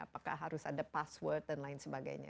apakah harus ada password dan lain sebagainya